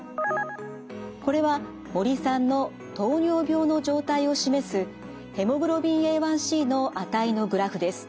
これは森さんの糖尿病の状態を示すＨｂＡ１ｃの値のグラフです。